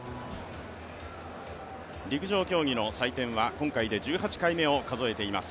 陸上競技の祭典は今回で１８回目を数えています。